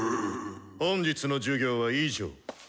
本日の授業は以上。